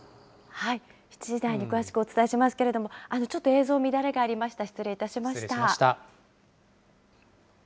７時台に詳しくお伝えしますけれども、ちょっと映像に乱れがありました、失礼いたしました。